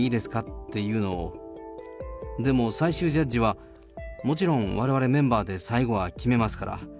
っていうのを、でも、最終ジャッジは、もちろんわれわれメンバーで最後は決めますから。